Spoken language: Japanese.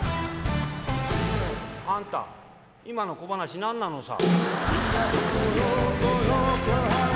「アンタ今の小話何なのさ」。